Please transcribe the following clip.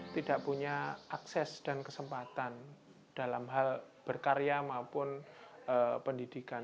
tidak punya akses dan kesempatan dalam hal berkarya maupun pendidikan